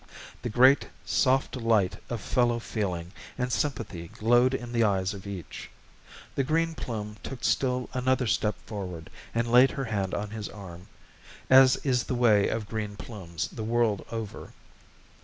The great, soft light of fellow feeling and sympathy glowed in the eyes of each. The Green Plume took still another step forward and laid her hand on his arm (as is the way of Green Plumes the world over).